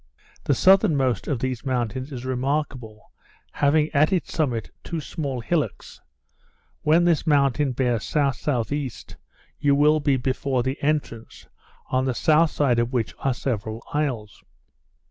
The southernmost of these mountains is remarkable, having at its summit two small hillocks. When this mountain bears S.S.E. you will be before the entrance, on the south side of which are several isles.